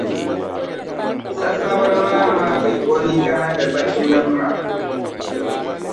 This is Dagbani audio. Sasabira maa maari o nii gahindi bachinima.